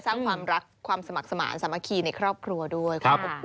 สร้างความรักความสมัครสมาร์ทสามัคคีในครอบครัวด้วย